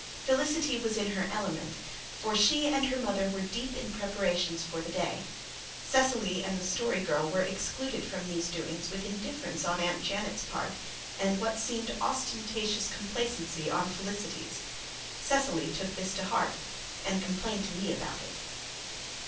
Felicity was in her element, for she and her mother were deep in preparations for the day. Cecily and the Story Girl were excluded from these doings with indifference on Aunt Janet's part and what seemed ostentatious complacency on Felicity's. Cecily took this to heart and complained to me about it.